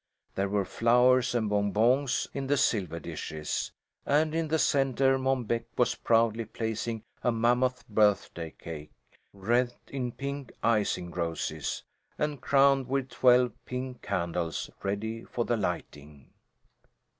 There were flowers and bonbons in the silver dishes, and in the centre Mom Beck was proudly placing a mammoth birthday cake, wreathed in pink icing roses, and crowned with twelve pink candles ready for the lighting.